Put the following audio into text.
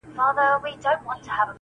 بیا به خامخا یوه توره بلا وي,